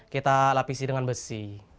kita lapisi dengan besi